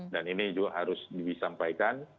dan ini juga harus disampaikan